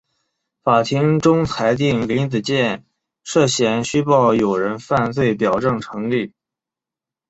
法庭终裁定林子健涉嫌虚报有人犯罪表证成立。